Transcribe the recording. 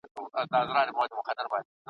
توتکۍ یې کړه په ټولو ملامته .